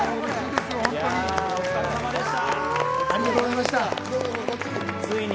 お疲れさまでした。